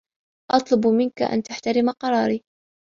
أطلب منك أن تحترم قراري.